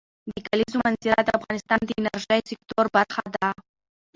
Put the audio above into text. د کلیزو منظره د افغانستان د انرژۍ سکتور برخه ده.